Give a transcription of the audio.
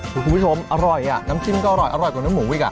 คุณผู้ชมอร่อยน้ำจิ้มก็อร่อยอร่อยกว่าน้ำหมูอีก